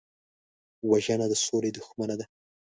وژنه د سولې دښمنه ده